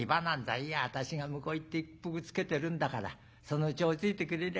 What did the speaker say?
いや私が向こう行って一服つけてるんだからそのうち追いついてくれりゃいい。